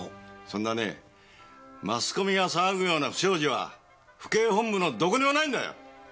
そんなねマスコミが騒ぐような不祥事は府警本部のどこにもないんだよ！